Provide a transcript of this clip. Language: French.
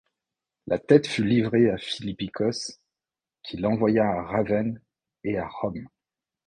La tête fut livrée à Philippicos, qui l'envoya à Ravenne et à Rome.